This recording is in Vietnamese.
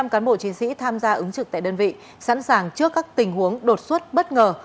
một trăm linh cán bộ chiến sĩ tham gia ứng trực tại đơn vị sẵn sàng trước các tình huống đột xuất bất ngờ